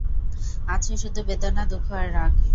আছে শুধু বেদনা, দুঃখ আর রাগ।